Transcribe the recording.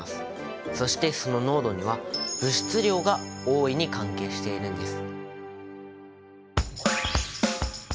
そしてその濃度には物質量が大いに関係しているんです。